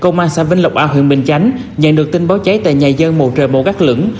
trong ngày hai mươi ba tháng bảy cơ quan xã vinh lộc a huyện bình chánh nhận được tin báo cháy tại nhà dân mồ trời mồ gác lửng